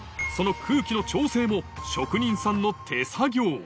その空気の調整も、職人さんの手作業。